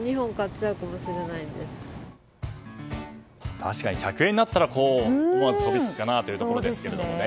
確かに１００円だったら思わず飛びつくかなというところですけどね。